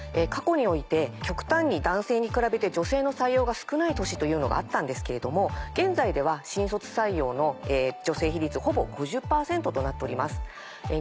過去において極端に男性に比べて女性の採用が少ない年というのがあったんですけれども現在では新卒採用の女性比率ほぼ５０％となっております。